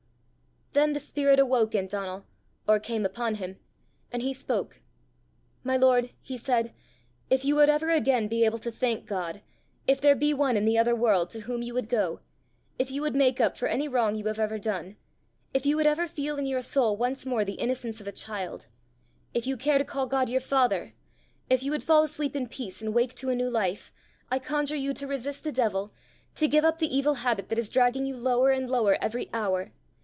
Then the spirit awoke in Donal or came upon him and he spoke. "My lord," he said, "if you would ever again be able to thank God; if there be one in the other world to whom you would go; if you would make up for any wrong you have ever done; if you would ever feel in your soul once more the innocence of a child; if you care to call God your father; if you would fall asleep in peace and wake to a new life; I conjure you to resist the devil, to give up the evil habit that is dragging you lower and lower every hour.